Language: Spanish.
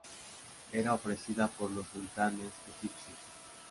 Era ofrecida por los sultanes egipcios.